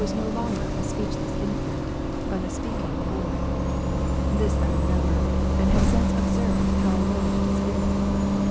no longer a speechless infant, but a speaking boy. This I ^'• remember ; and have since observed how I learned to speak.